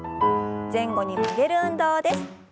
前後に曲げる運動です。